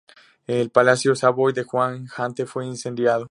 El palacio Savoy de Juan de Gante fue incendiado.